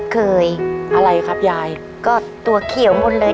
เคยอะไรครับยายก็ตัวเขียวหมดเลย